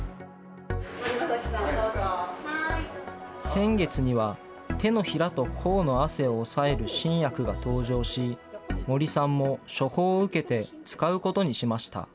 先月には、手のひらと甲の汗を抑える新薬が登場し、森さんも処方を受けて、使うことにしました。